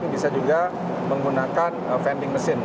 bisa juga menggunakan vending machine